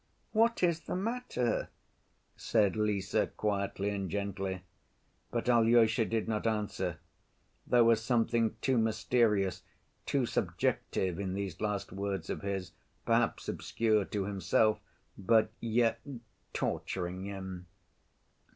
What is the matter?" said Lise quietly and gently. But Alyosha did not answer. There was something too mysterious, too subjective in these last words of his, perhaps obscure to himself, but yet torturing him.